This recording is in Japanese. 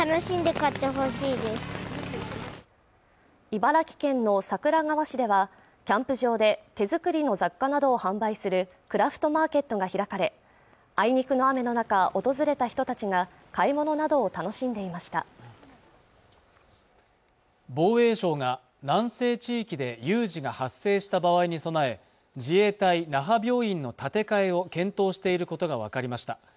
茨城県の桜川市ではキャンプ場で手作りの雑貨などを販売するクラフトマーケットが開かれあいにくの雨の中訪れた人たちが買い物などを楽しんでいました防衛省が南西地域で有事が発生した場合に備え自衛隊那覇病院の建て替えを検討していることが分かりました